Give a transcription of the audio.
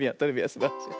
すばらしい。